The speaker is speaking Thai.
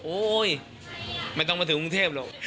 ไม่ต้องมาถึงกรุงเทพหรอก